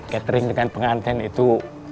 catering dengan pengantin itu